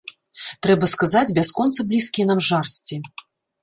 Трэба сказаць, бясконца блізкія нам жарсці.